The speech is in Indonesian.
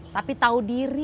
tapi tau diri